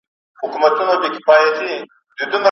هم پردي راته په قهر هم مو خپل په کاڼو ولي